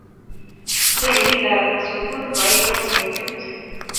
Bendi lagook sugul koech eng betut